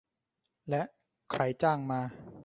และใครจ้างมา